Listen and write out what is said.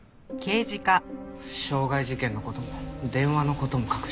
傷害事件の事も電話の事も隠してた。